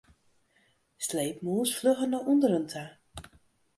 Sleep mûs flugger nei ûnderen ta.